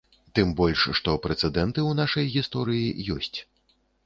Тым больш, што прэцэдэнты ў нашай гісторыі ёсць.